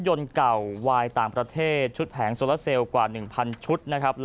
ยนตร์เก่าวายต่างประเทศชุดแผงโซระเซลว์กว่า๑๐๐๐ชุด